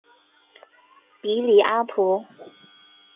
比里阿图。